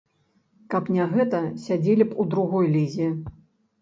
Каб не гэта, сядзелі б у другой лізе!